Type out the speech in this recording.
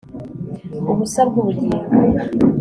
Ubusa bwubugingo